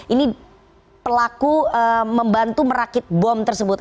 ini pelaku membantu merakit bom tersebut